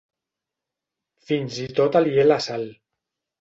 Fins i tot aliè a la Sal.